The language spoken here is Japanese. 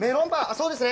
そうですね。